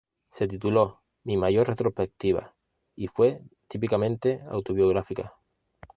Se tituló "Mi mayor retrospectiva" y fue típicamente autobiográfica.